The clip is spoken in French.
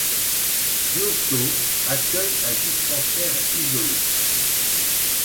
Diosso accueille un dispensaire isolé.